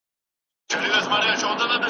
چي زه الوزم پر تاسي څه قیامت دی